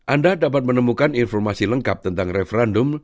anda dapat menemukan informasi lengkap tentang referendum